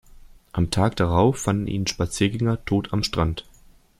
Am Tag darauf fanden ihn Spaziergänger tot am Strand.